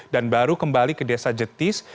dan baru kembali ke desa jetis